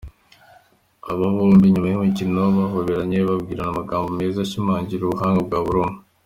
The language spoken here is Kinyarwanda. Aba bombi nyuma y’umukino bahoberanye, babwirana amagambo meza ashimangira ubuhanga bwa buri umwe.